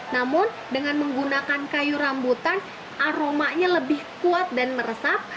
namun dengan menggunakan kayu rambutan aromanya lebih kuat dan meresap